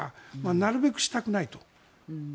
なるべくしたくないと。